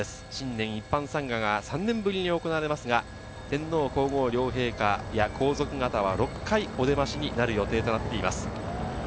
新年一般参賀が３年ぶりに行われますが、天皇皇后両陛下や、皇族方は６回お出ましになる予定となっています。